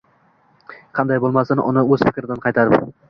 Qanday bo’lmasin uni o’z fikridan qaytarib